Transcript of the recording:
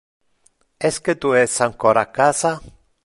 Esque tu es ancora a casa?